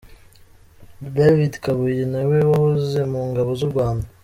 David Kabuye nawe wahoze mu ngabo z’u Rwanda.